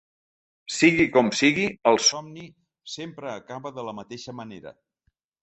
Sigui com sigui, el somni sempre acaba de la mateixa manera.